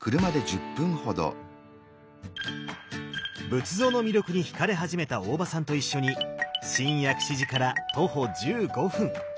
仏像の魅力にひかれ始めた大場さんと一緒に新薬師寺から徒歩１５分。